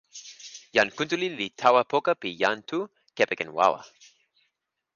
jan Kuntuli li tawa poka pi jan Tu kepeken wawa.